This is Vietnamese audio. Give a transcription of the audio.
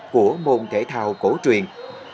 của môn kể thao cổ truyền